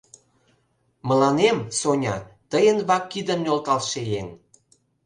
Мыланем, Соня, тыйын вак кидым нӧлталше еҥ...